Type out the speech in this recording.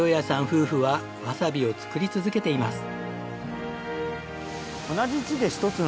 夫婦はわさびを作り続けています。